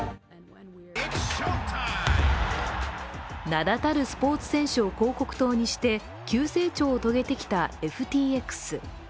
名だたるスポーツ選手を広告塔にして急成長を遂げてきたＦＴＸ。